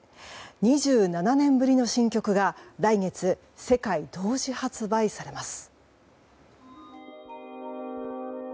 ２７年ぶりの新曲が来月、世界同時発売されます。